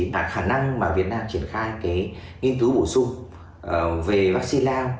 và khả năng mà việt nam triển khai cái nghiên cứu bổ sung về vaccine lao